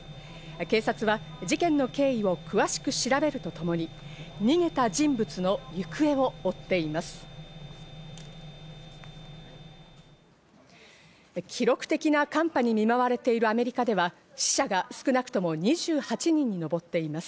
警察は事件の経緯を詳しく調べるとともに、逃げた人物の行方を追っています。